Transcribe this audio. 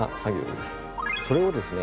それをですね